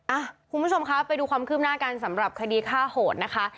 อ่ะคุณผู้ชมคะไปดูความคืบหน้ากันสำหรับคดีฆ่าโหดนะคะ